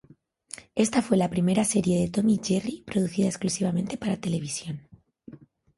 Esta fue la primera serie de Tom y Jerry producida exclusivamente para televisión.